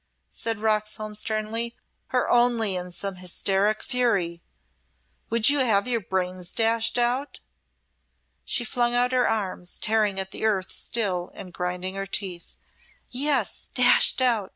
said Roxholm, sternly, "or only in some hysteric fury? Would you have your brains dashed out?" She flung out her arms, tearing at the earth still and grinding her teeth. "Yes dashed out!"